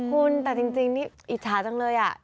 คุณแต่จริงนี่อิจฉาจังเลย